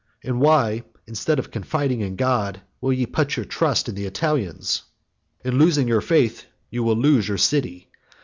and why, instead of confiding in God, will ye put your trust in the Italians? In losing your faith you will lose your city.